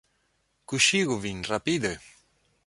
Kuŝigu vin, rapide!